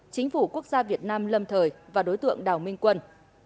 chính phủ quốc gia việt nam lâm thời và đối tượng đào minh quân